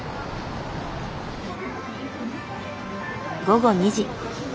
午後２時。